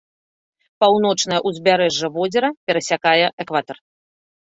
Паўночнае ўзбярэжжа возера перасякае экватар.